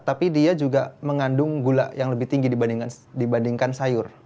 tapi dia juga mengandung gula yang lebih tinggi dibandingkan sayur